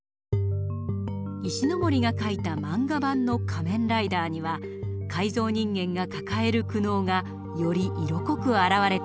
石森が描いた漫画版の「仮面ライダー」には改造人間が抱える苦悩がより色濃くあらわれています。